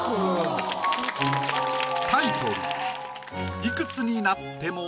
タイトル